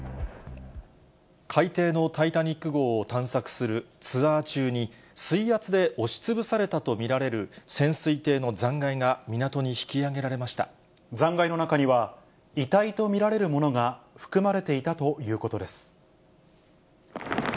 海底のタイタニック号を探索するツアー中に、水圧で押しつぶされたと見られる潜水艇の残骸が港に引き揚げられ残骸の中には、遺体と見られるものが含まれていたということです。